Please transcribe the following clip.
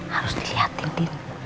harus dilihatin din